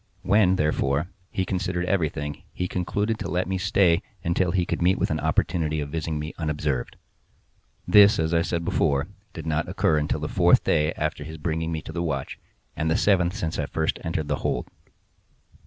When, therefore, he considered everything he concluded to let me stay until he could meet with an opportunity of visiting me unobserved. This, as I said before, did not occur until the fourth day after his bringing me the watch, and the seventh since I had first entered the hold.